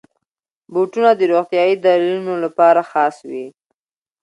بوټونه د روغتیايي دلیلونو لپاره خاص وي.